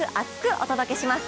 お届けします。